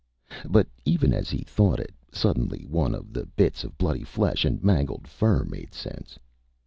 But even as he thought it, suddenly one of the bits of bloody flesh and mangled fur made sense.